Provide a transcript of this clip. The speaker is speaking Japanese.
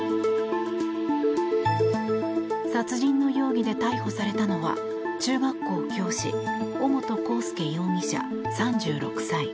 殺人の容疑で逮捕されたのは中学校教師尾本幸祐容疑者、３６歳。